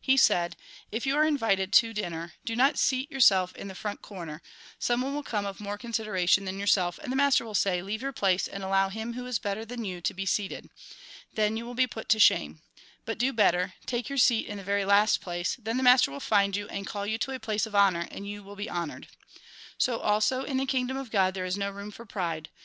He said :" If you are invited to dinner, do not seat yourself in the front comer ; someone will come of more consideration than yourself, and the master will say :' Leave your place, and allow him who is better than you to be seated.' Then you will be put to shame. But do better, take your seat in the very last place, then the master will find you, and call you to a place of honour, and you will be honoured. " So also in the kingdom of God there is no room for pride.